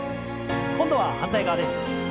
今度は反対側です。